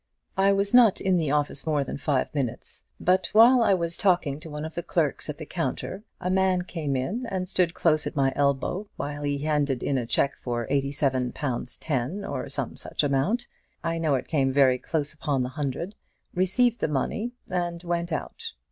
I was not in the office more than five minutes. But while I was talking to one of the clerks at the counter, a man came in, and stood close at my elbow while he handed in a cheque for eighty seven pounds ten, or some such amount I know it came very close upon the hundred received the money, and went out.